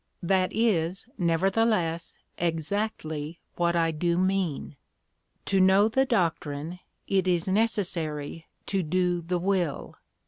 "That is, nevertheless, exactly what I do mean. To know the doctrine, it is necessary to do the will.